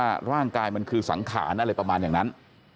ร่างกายมันคือสังขารอะไรประมาณอย่างนั้น